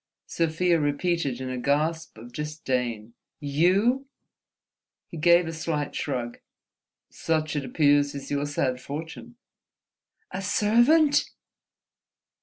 Sofia repeated in a gasp of disdain—"you!" He gave a slight shrug. "Such, it appears, is your sad fortune." "A servant!"